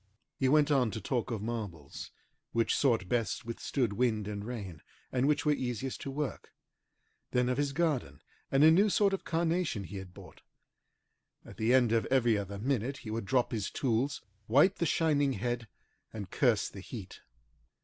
He went on to talk of marbles, which sort best withstood wind and rain, and which were easiest to work; then of his garden and a new sort of carnation he had bought. At the end of every other minute he would drop his tools, wipe the shining head, and curse the heat.